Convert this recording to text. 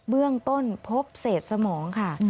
เบื้องต้นพบเศษสมองค่ะ